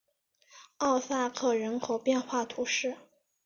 奥萨克人口变化图示